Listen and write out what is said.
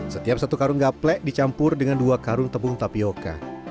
setiap satu karung gaplek dicampur dengan dua karung tepung tapioca